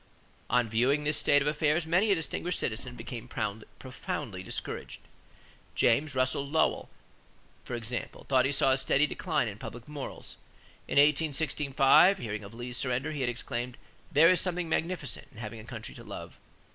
On viewing this state of affairs, many a distinguished citizen became profoundly discouraged. James Russell Lowell, for example, thought he saw a steady decline in public morals. In 1865, hearing of Lee's surrender, he had exclaimed: "There is something magnificent in having a country to love!"